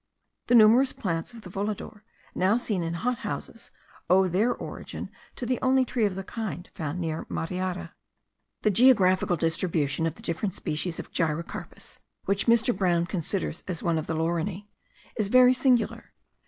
The numerous plants of the volador, now seen in hot houses, owe their origin to the only tree of the kind found near Mariara. The geographical distribution of the different species of gyrocarpus, which Mr. Brown considers as one of the laurineae, is very singular.